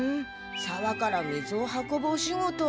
さわから水を運ぶお仕事。